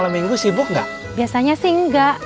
malam minggu sibuk gak biasanya sih enggak